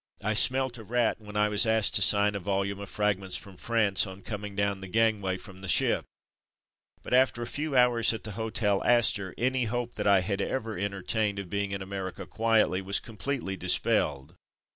I smelt a rat when I was asked to sign a volume of Fragments from France on coming down the gangway from the ship, but after a few hours at the Hotel Astor, any hope that I had ever entertained of being in America quietly was completely dispelled.